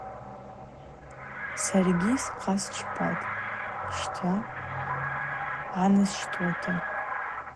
Саргьи схъа счпатӏ щта – гӏанысщтуата.